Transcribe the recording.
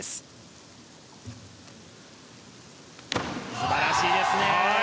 素晴らしいですね！